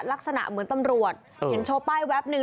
ลักษณะเหมือนตำรวจเห็นโชว์ป้ายแวบนึง